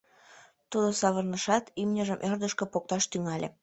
Тудо савырнышат, имньыжым ӧрдыжкӧ покташ тӱҥале.